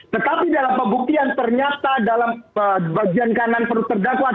tetapi dalam pembuktian ternyata dalam bagian kanan perut terdakwa